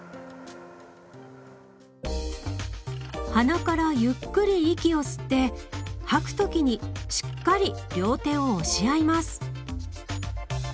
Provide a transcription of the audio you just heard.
鼻からゆっくり息を吸って吐く時にしっかり両手を押し合います。